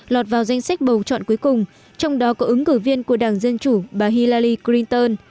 đọt vào danh sách bầu chọn cuối cùng trong đó có ứng cử viên của đảng dân chủ bà hillary clinton